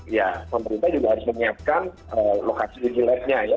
ya pemerintah juga harus menyiapkan lokasi digilirnya ya